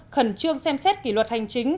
khẩn trương xem xét kỷ luật hành chính